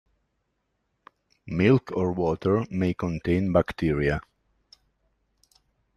Milk or water may contain bacteria.